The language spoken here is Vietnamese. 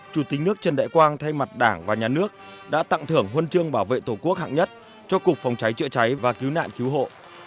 chủ tịch nước trần đại quang thay mặt đảng và nhà nước đã tặng thưởng huân chương bảo vệ tổ quốc hạng nhất cho cục phòng cháy chữa cháy và cứu nạn cứu hộ